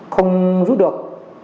không rút được